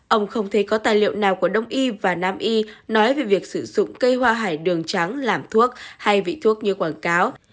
ông không thấy có tài liệu nào của đông y và nam y nói về việc sử dụng cây hoa hải đường trắng làm thuốc hay vị thuốc như quảng cáo